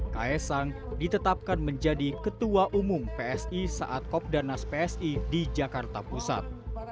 kaisang ditetapkan menjadi ketua umum psi saat kopda nas psi di jakarta pusat